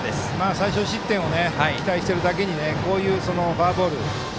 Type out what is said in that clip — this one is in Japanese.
最少失点を期待しているだけにこういうフォアボール。